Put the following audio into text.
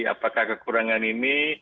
apakah kekurangan ini